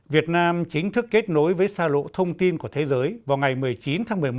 việt nam chính thức kết nối với xa lộ thông tin của thế giới vào ngày một mươi chín tháng một mươi một